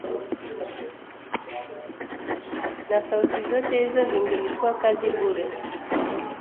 na sauti zote hizo zingelikuwa kazi bure